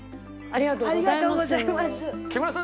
ありがとうございます。